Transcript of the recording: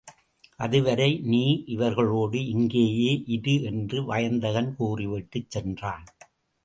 அதுவரை நீ இவர்களோடு இங்கேயே இரு என்று வயந்தகன் கூறிவிட்டுச் சென்றான்.